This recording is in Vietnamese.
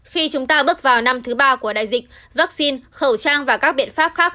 khi chúng ta bước vào năm thứ ba của đại dịch vaccine khẩu trang và các biện pháp khác